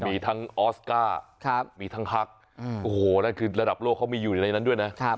มีทั้งออสการ์มีทั้งฮักโอ้โหนั่นคือระดับโลกเขามีอยู่ในนั้นด้วยนะ